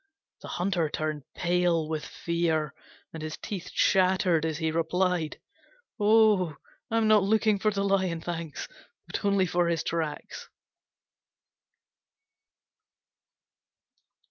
The Hunter turned pale with fear, and his teeth chattered as he replied, "Oh, I'm not looking for the lion, thanks, but only for his tracks."